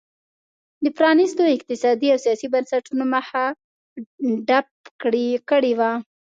د پرانیستو اقتصادي او سیاسي بنسټونو مخه ډپ کړې وه.